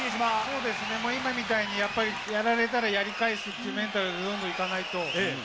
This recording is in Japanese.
そうですね、今みたいにやっぱり、やられたらやり返すっていうメンタルで、どんどんいかないと。